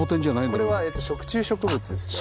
これは食虫植物ですね。